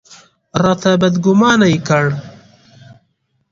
راته بدګومانه یې کړ.